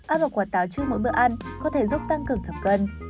ăn một quả táo trước mỗi bữa ăn có thể giúp tăng cường thẩm cân